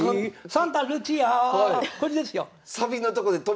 これですよ。